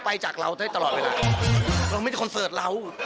กับหลายเมตรอะ